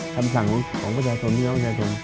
คำสั่งของพระเจ้าทรงนี้ของพระเจ้าทรง